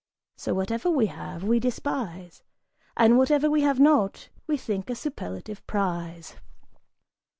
So whatever we have, we despise, And whatever we have not, we think a superlative prize!"